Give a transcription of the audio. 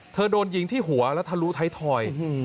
โดนยิงที่หัวและทะลุท้ายทอย